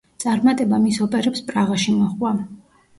წარმატება მის ოპერებს პრაღაში მოჰყვა.